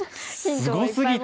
すごすぎた。